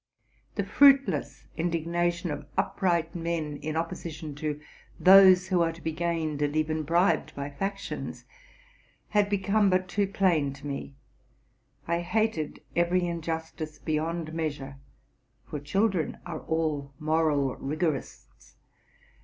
The fruitless indignation of upright men, in at tion to those who are to be gained and even bribed by fac tions, had become but too plain to me: I hated every injustice beyond measure, for children are all moral rigor ists.